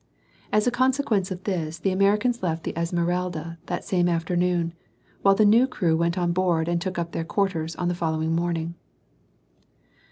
As a consequence of this the Americans left the Esmeralda that same afternoon, while the new crew went on board and took up their quarters on the following morning.